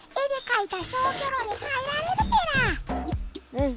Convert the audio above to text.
うん。